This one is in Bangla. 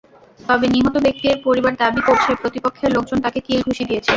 তবে নিহত ব্যক্তির পরিবার দাবি করছে, প্রতিপক্ষের লোকজন তাঁকে কিল-ঘুষি দিয়েছে।